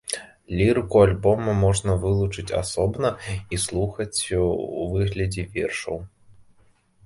Лірыку альбома можна вылучаць асобна і слухаць у выглядзе вершаў.